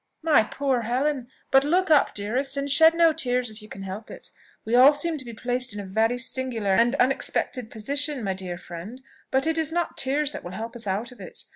"My poor Helen! But look up, dearest! and shed no tears if you can help it. We all seem to be placed in a very singular and unexpected position, my dear friend; but it is not tears that will help us out of it.